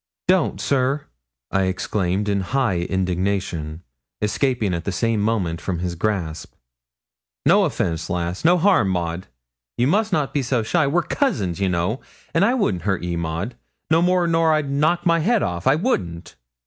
'Don't, sir,' I exclaimed in high indignation, escaping at the same moment from his grasp. 'No offence, lass; no harm, Maud; you must not be so shy we're cousins, you know an' I wouldn't hurt ye, Maud, no more nor I'd knock my head off. I wouldn't.'